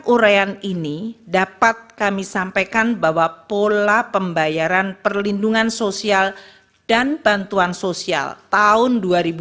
urean ini dapat kami sampaikan bahwa pola pembayaran perlindungan sosial dan bantuan sosial tahun dua ribu dua puluh